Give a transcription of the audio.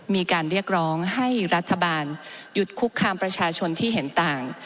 มีการเรียกร้องให้รัฐบาลหยุดคุกคามประชาชนที่เห็นต่าง